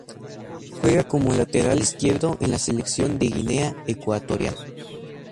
Juega como lateral izquierdo en la selección de Guinea Ecuatorial.